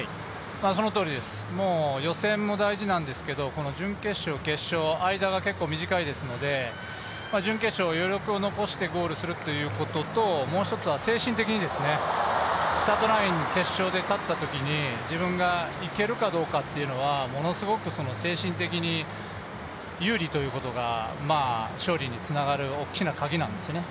そのとおりです、予選も大事なんですけれども、準決勝、決勝、間が結構短いですので、準決勝は余力を残してゴールするということともう一つは精神的にスタートラインに決勝で立ったときに自分が行けるかどうかっていうのはものすごく精神的に有利ということが勝利につながる大きな鍵なんですよね。